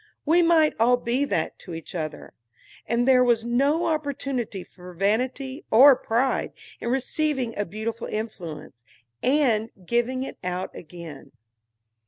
We might all be that to each other. And there was no opportunity for vanity or pride in receiving a beautiful influence, and giving it out again.